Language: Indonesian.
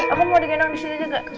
aku mau di gendong disitu juga